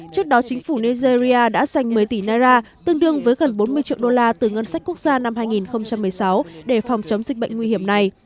trước đó chính phủ nigeria đã dành mấy tỷ naira tương đương với gần bốn mươi triệu usd từ ngân sách quốc gia năm hai nghìn một mươi sáu để phòng chống dịch bệnh nguy hiểm này